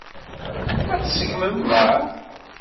Ad t-tṣeggmem, naɣ?